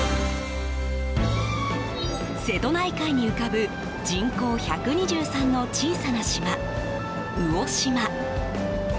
瀬戸内海に浮かぶ人口１２３の小さな島、魚島。